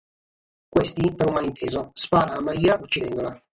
Questi, per un malinteso, spara a Maria uccidendola.